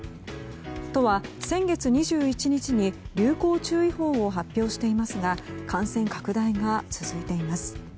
都は先月２１日に流行注意報を発表していますが感染拡大が続いています。